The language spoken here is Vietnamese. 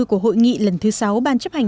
của hội nghị lần thứ sáu ban chấp hành